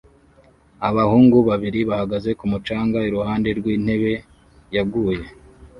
Abahungu babiri bahagaze ku mucanga iruhande rw'intebe yaguye